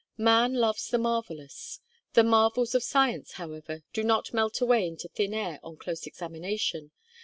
Man loves the marvellous. The marvels of science, however, do not melt away into thin air on close examination.